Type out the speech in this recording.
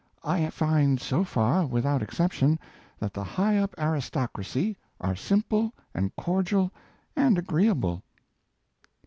I find so far, without exception, that the high up aristocracy are simple and cordial and agreeable.